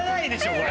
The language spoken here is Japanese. これ。